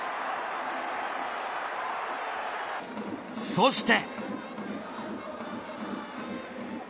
そして。